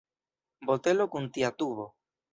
Botelo kun tia tubo.